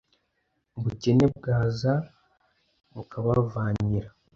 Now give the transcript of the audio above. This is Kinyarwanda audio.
ubukene bwaza bukabavangira,